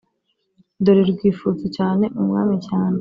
dore rwifuza cyane umwami cyane